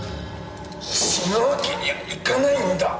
死ぬわけにはいかないんだ。